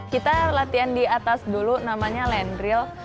kita latihan di atas dulu namanya land reel